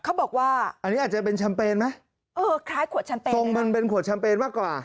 เขาบอกว่าอันนี้อาจจะเป็นแชมเปญไหมเออคล้ายขวดแชมเปญทรงมันเป็นขวดแชมเปญมากกว่า